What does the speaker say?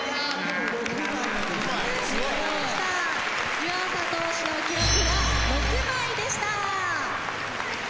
湯浅投手の記録は６枚でした。